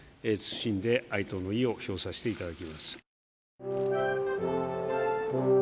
謹んで哀悼の意を表させていただきます。